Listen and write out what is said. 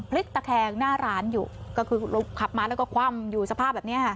ตะแคงหน้าร้านอยู่ก็คือขับมาแล้วก็คว่ำอยู่สภาพแบบนี้ค่ะ